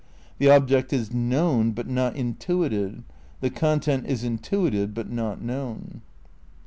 The object is known but not intuited ; the content is intuited but not known."